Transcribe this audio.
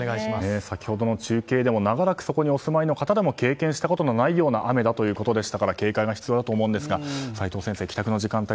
先ほどの中継でも長らくそこにお住まいの方でも経験したことのないような雨だということですから警戒が必要だと思いますが齋藤先生